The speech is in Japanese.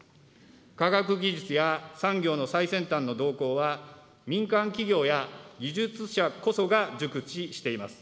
科学技術や産業の最先端の動向は、民間企業や技術者こそが熟知しています。